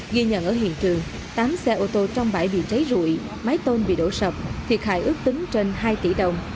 ghi nhận ở hiện trường tám xe ô tô trong bãi bị cháy rụi mái tôn bị đổ sập thiệt hại ước tính trên hai tỷ đồng